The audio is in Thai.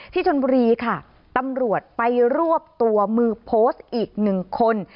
ที่ชนบุรีตำรวจไปรวบตัวมือโพสต์อีก๑คน